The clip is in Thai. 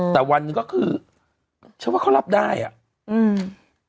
แต่วันนี้ก็คือฉันว่าเขารับได้อะ